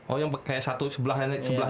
oh yang kayak satu sebelah aja gitu ya